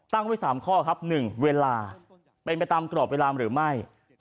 ตั้งไว้๓ข้อครับ๑เวลาเป็นไปตามกรอบเวลาหรือไม่